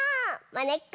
まねっこ。